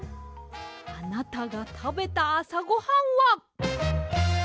あなたがたべたあさごはんは。